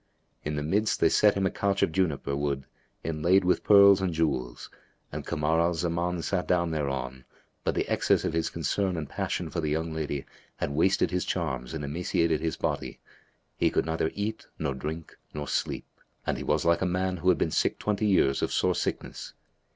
In the midst they set him a couch of juniper[FN#280] wood inlaid with pearls and jewels, and Kamar al Zaman sat down thereon, but the excess of his concern and passion for the young lady had wasted his charms and emaciated his body; he could neither eat nor drink nor sleep; and he was like a man who had been sick twenty years of sore sickness.